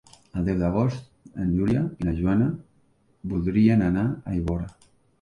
El deu d'agost en Julià i na Joana voldrien anar a Ivorra.